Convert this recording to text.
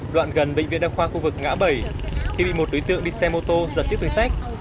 đoạn gần bệnh viện đăng khoa khu vực ngã bảy khi bị một đối tượng đi xe mô tô giật chiếc túi xách